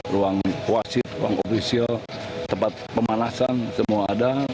ruang wasit ruang ofisial tempat pemanasan semua ada